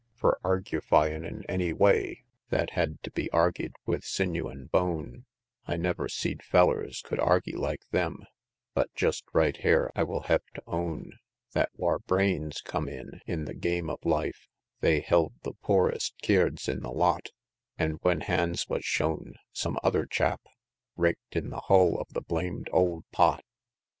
II. Fur argyfyin' in any way, Thet hed to be argy'd with sinew an' bone, I never see'd fellers could argy like them; But just right har I will hev to own Thet whar brains come in in the game of life, They held the poorest keerds in the lot; An' when hands was shown, some other chap Rak'd in the hull of the blam'd old pot!